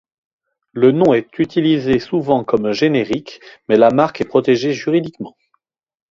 Le nom est utilisé souvent comme générique mais la marque est protégée juridiquement.